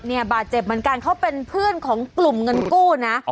บาดเจ็บเหมือนกันเขาเป็นเพื่อนของกลุ่มเงินกู้นะ